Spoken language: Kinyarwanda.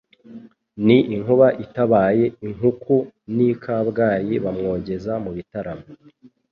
Ni inkuba itabaye inkukuN' i Kabgayi bamwogeza mu bitaramo.